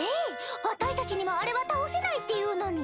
あたいたちにもあれは倒せないっていうのに。